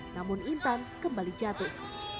namun intan kembali jatuh